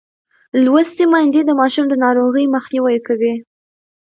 لوستې میندې د ماشوم د ناروغۍ مخنیوی کوي.